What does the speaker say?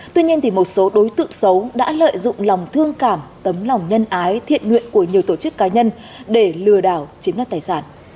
tuy nhiên một số đối tượng xấu đã lợi dụng lòng thương cảm tấm lòng nhân ái thiện nguyện của nhiều tổ chức cá nhân để lừa đảo chiếm đoạt tài sản